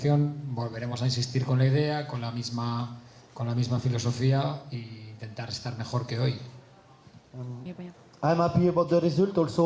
itu ide yang terjadi dengan absolute tapi memiliki waktu